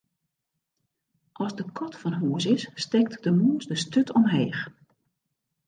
As de kat fan hûs is, stekt de mûs de sturt omheech.